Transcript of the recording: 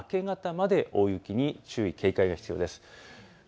明け方まで大雪に注意、警戒が必要です。